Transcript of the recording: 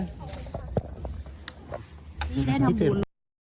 พี่ได้ทำบุญ